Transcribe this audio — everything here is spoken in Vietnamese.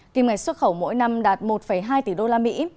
kỳ mạch xuất khẩu mỗi năm đạt một hai tỷ usd